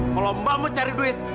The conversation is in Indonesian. kalau mbak mau cari duit